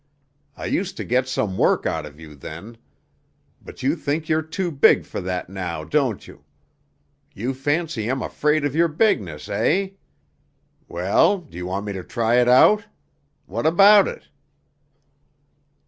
I used to get some work out of you then. But you think you're too big for that, now, don't you? You fancy I'm afraid of your bigness, eh? Well, do you want me to try it out? What about it?"